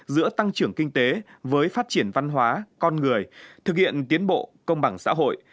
giữa tăng trưởng kinh tế với phát triển văn hóa con người thực hiện tiến bộ công bằng xã hội